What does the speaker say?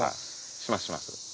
しますします。